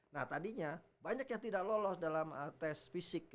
nah tadinya banyak yang tidak lolos dalam tes fisik